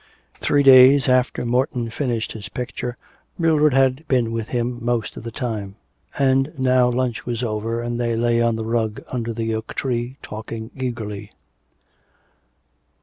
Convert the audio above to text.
Three days after Morton finished his picture. Mildred had been with him most of the time. And now lunch was over, and they lay on the rug under the oak tree talking eagerly.